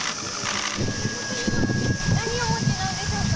何をお持ちなんでしょうか？